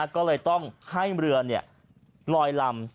ก็เลยต้องให้เรือลอยลำ